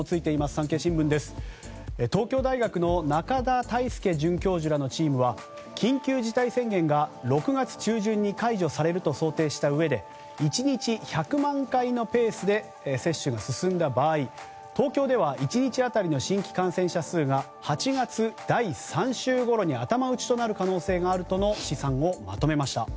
東京大学の仲田泰祐准教授らのチームは緊急事態宣言が６月中旬に想定したうえで１日１００万回のペースで接種が進んだ場合東京では１日当たりの新規感染者数が８月第３週ごろに頭打ちとなる可能性があるとの試算をまとめました。